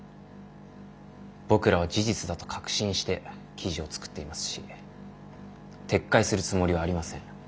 僕らは事実だと確信して記事を作っていますし撤回するつもりはありません。